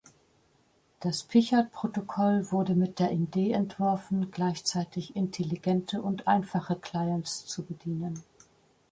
Das Pichat-Protokoll wurde mit der Idee entworfen, gleichzeitig intelligente und einfache Clients zu bedienen.